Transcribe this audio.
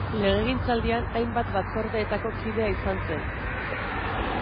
Legegintzaldian hainbat batzordeetako kidea izan zen.